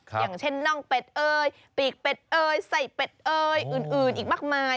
อย่างเช่นน่องเป็ดเอ่ยปีกเป็ดเอ่ยใส่เป็ดเอ่ยอื่นอีกมากมาย